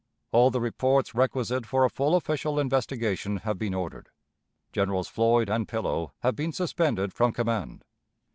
"All the reports requisite for a full official investigation have been ordered. Generals Floyd and Pillow have been suspended from command.